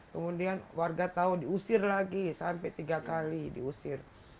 kemudian warga tahu diusir lagi sampai tiga kali diusir